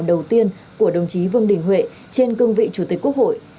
đầu tiên của đồng chí vương đình huệ trên cương vị chủ tịch quốc hội